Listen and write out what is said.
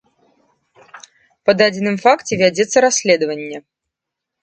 Па дадзеным факце вядзецца расследаванне.